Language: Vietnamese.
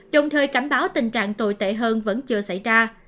đồng thời cảnh báo tình trạng tồi tệ hơn vẫn chưa xảy ra